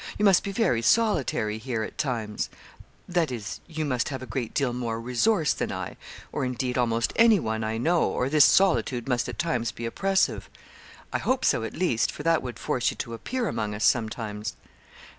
You must be very solitary here at times that is, you must have a great deal more resource than I, or, indeed, almost anyone I know, or this solitude must at times be oppressive. I hope so, at least, for that would force you to appear among us sometimes.'